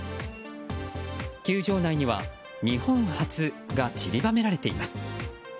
球場内には、日本初が散りばめられています。